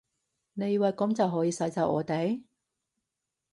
你以為噉就可以使走我哋？